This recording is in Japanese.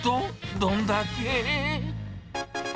どんだけー？